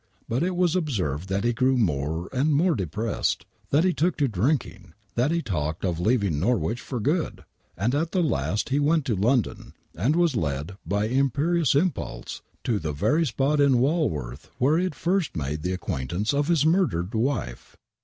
But it was observed be grew more and more depressed, that he took to drinking, that be talked of leaving Norwich for good, and at the last be went to London, and was led, by imperious im pulse, to tbe very spot in Walworth where be had first made the acquaintance of bis murdered wife.